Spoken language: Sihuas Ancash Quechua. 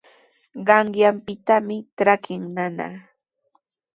Qanyaanpitanami trakin nana.